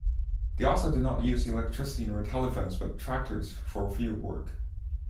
They also do not use electricity nor telephones but tractors for field work.